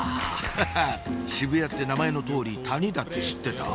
ハハっ「渋谷」って名前の通り谷だって知ってた？